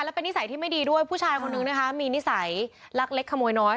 และเป็นนิสัยที่ไม่ดีด้วยผู้ชายคนนึงนะคะมีนิสัยลักเล็กขโมยน้อย